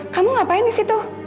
kamu ngapain disitu